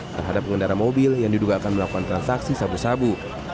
terhadap pengendara mobil yang diduga akan melakukan transaksi sabu sabu